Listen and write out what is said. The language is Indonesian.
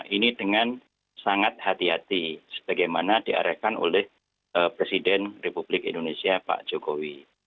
ini dengan sangat hati hati seperti mana diarahkan oleh presiden republik indonesia pak jokowi